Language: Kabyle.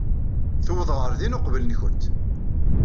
Tuweḍ ɣer din uqbel-nwent.